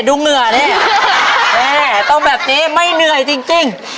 ดูเหงื่อนี่ต้องแบบนี้ไม่เหนื่อยจริงจริง